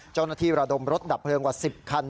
เจ้าหน้าที่ระดมรถดับเพลิงกว่า๑๐คัน